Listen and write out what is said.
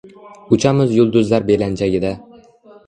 Uchamiz yulduzlar belanchagida.